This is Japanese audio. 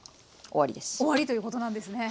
終わりということなんですね。